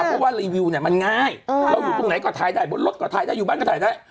เพราะว่ารีวิวเนี่ยมันง่ายเราอยู่ตรงไหนก็ถ่ายได้บนรถก็ถ่ายได้อยู่บ้านก็ถ่ายได้